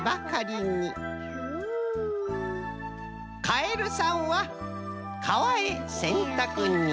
カエルさんはかわへせんたくに。